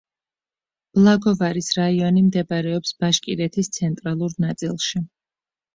ბლაგოვარის რაიონი მდებარეობს ბაშკირეთის ცენტრალურ ნაწილში.